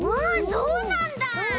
そうなんだ。